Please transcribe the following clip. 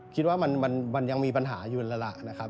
คิดว่ามันยังมีปัญหาอยู่แล้วล่ะนะครับ